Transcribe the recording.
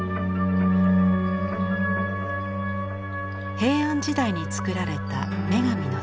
平安時代に作られた女神の像。